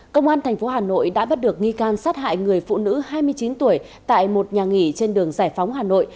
công an tp hà nội đã bắt được nghi can sát hại người phụ nữ hai mươi chín tuổi tại một nhà nghỉ trên đường giải phóng hà nội